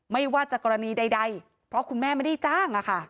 ไม่ว่าจะกรณีใดเพราะคุณแม่ไม่ได้จ้าง